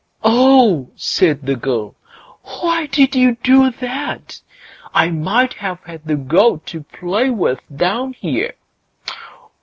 "Oh!" said the girl, "why did you do that? I might have had the goat to play with down here."